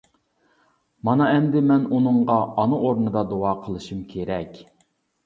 مانا ئەمدى مەن ئۇنىڭغا ئانا ئورنىدا دۇئا قىلىشىم كېرەك.